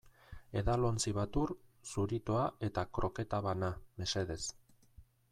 Edalontzi bat ur, zuritoa eta kroketa bana, mesedez.